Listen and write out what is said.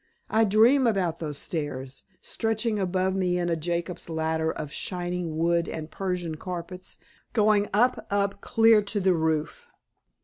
I dream about those stairs, stretching above me in a Jacob's ladder of shining wood and Persian carpets, going up, up, clear to the roof.